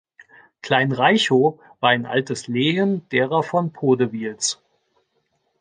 Klein Reichow war ein altes Lehen derer von Podewils.